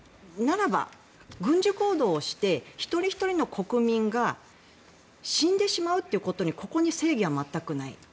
ならば軍事行動をして一人ひとりの国民が死んでしまうということにここに正義は全くない。